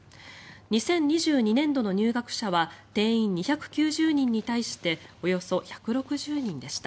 ２０２２年度の入学者は定員２９０人に対しておよそ１６０人でした。